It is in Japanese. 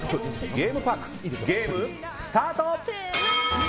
ゲームパークゲームスタート！